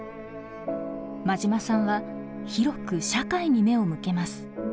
馬島さんは広く社会に目を向けます。